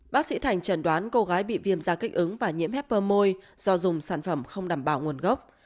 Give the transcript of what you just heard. bác sĩ thành chẩn đoán cô gái bị viêm da kích ứng và nhiễm heper môi do dùng sản phẩm không đảm bảo nguồn gốc